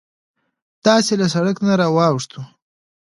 داسې له سرک نه واوښتوو.